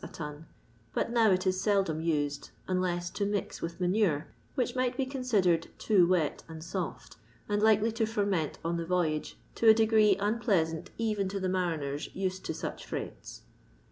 a ton, but nov it is seldom used unless to mix with manure, ivbich might be cdnsidered too wet and soft, and likely to fwment on the voyage to a degree unpleasant even to the mariners used to such freights.